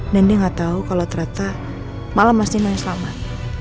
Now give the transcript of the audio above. nandi nggak tahu kalau ternyata malah mas nino yang selamat